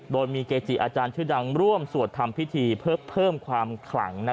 โดยมีเกจิอาจารย์ชื่อดังร่วมสวดทำพิธีเพื่อเพิ่มความขลัง